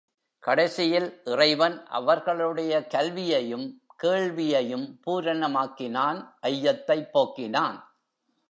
கடைசியில் இறைவன் அவர்களுடைய கல்வியையும், கேள்வியையும் பூரணமாக்கினான் ஐயத்தைப் போக்கினான்.